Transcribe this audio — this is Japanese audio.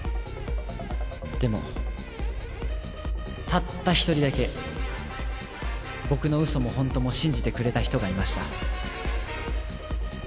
でもたった一人だけ僕のウソもホントも信じてくれた人がいました。